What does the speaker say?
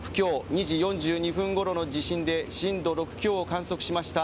２時４２分ごろにこの珠洲市で震度６強を観測しました。